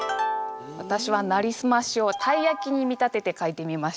私は「なりすまし」をたいやきに見立てて書いてみました。